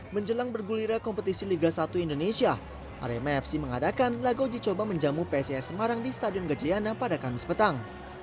menjelang bergulira kompetisi liga satu indonesia rmafc mengadakan lagau jicoba menjamu psis semarang di stadion gajayana pada kamis petang